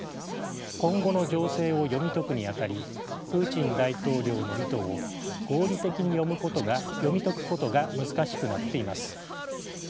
今後の情勢を読み解くにあたりプーチン大統領の意図を合理的に読み解くことが難しくなっています。